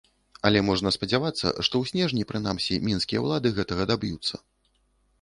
Але можна спадзявацца, што ў снежні прынамсі мінскія ўлады гэтага даб'юцца.